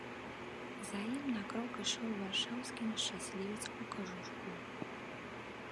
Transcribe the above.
За ім на крок ішоў варшаўскі нешчаслівец у кажуху.